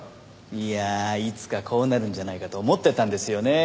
いやあいつかこうなるんじゃないかと思ってたんですよね。